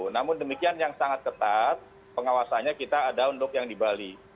namun demikian yang sangat ketat pengawasannya kita ada untuk yang di bali